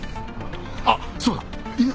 あっそうだ犬！